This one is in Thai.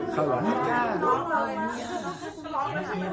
เขาร้อน